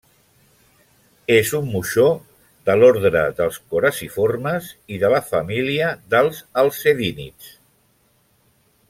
És un moixó de l'ordre dels coraciformes i de la família dels alcedínids.